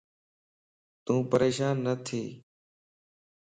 تون پريشان نٿي